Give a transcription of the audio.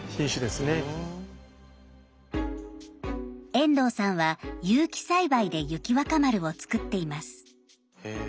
遠藤さんは有機栽培で雪若丸を作っています。